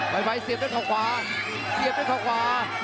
ไวไฟเสียบด้วยข้าวขวา